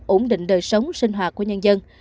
ổn định đời sống sinh hoạt của nhân dân